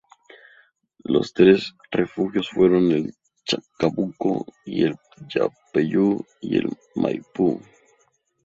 Los tres refugios fueron el Chacabuco, el Yapeyú y el Maipú.